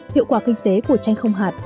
hiệu quả kinh tế của chanh không hạt